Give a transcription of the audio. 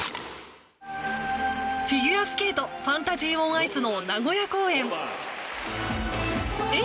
フィギュアスケートファンタジー・オン・アイスの名古屋公演。